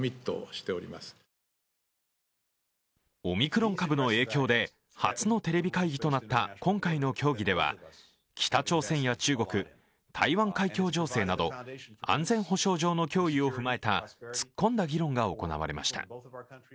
オミクロン株の影響で初のテレビ会議となった今回の協議では北朝鮮や中国、台湾海峡情勢など安全保障上の脅威を踏まえた突っ込んだ議論が行われました。